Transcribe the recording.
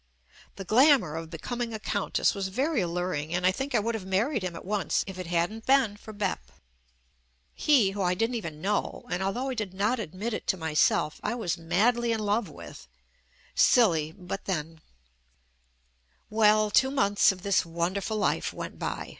The glamour of becoming a countess was very al luring, and I think I would have married him at once if it hadn't been for "Bep." He, whom I didn't even know and although I did not ad mit it to myself, I was madly in love with — silly, but then Well, two months of this wonderful life went by.